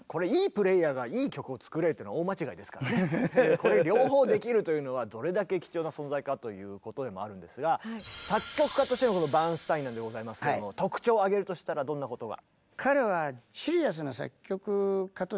これ両方できるというのはどれだけ貴重な存在かということでもあるんですが作曲家としてのバーンスタインなんでございますけども特徴を挙げるとしたらどんなことが？